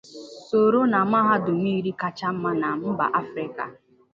sòró na mahadum iri kacha mma na mba Afrịka